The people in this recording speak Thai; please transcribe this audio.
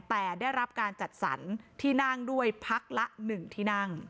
แต่ได้รับการจัดสรรที่นั่งด้วยพักละ๑ที่นั่ง